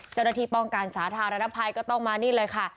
เจ้าหน้าที่ป้องกันสาธารณภัยก็ต้องมานี่เลยค่ะ